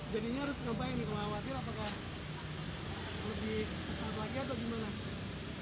jadinya harus kembali nih kalau khawatir apakah lebih keselamatan atau gimana